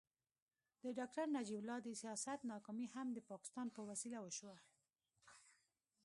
د ډاکټر نجیب الله د سیاست ناکامي هم د پاکستان په وسیله وشوه.